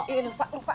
eh lupa lupa